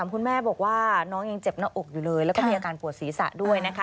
คุณแม่บอกว่าน้องยังเจ็บหน้าอกอยู่เลยแล้วก็มีอาการปวดศีรษะด้วยนะคะ